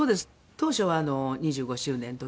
当初は２５周年の時に。